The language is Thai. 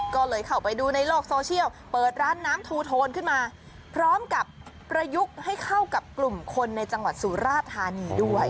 ก็เลยเข้าไปดูในโลกโซเชียลเปิดร้านน้ำทูโทนขึ้นมาพร้อมกับประยุกต์ให้เข้ากับกลุ่มคนในจังหวัดสุราธานีด้วย